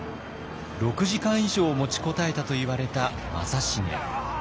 ６時間以上持ちこたえたといわれた正成。